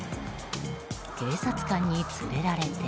警察官に連れられて。